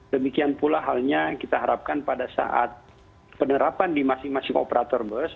demikian pula halnya kita harapkan pada saat penerapan di masing masing operator bus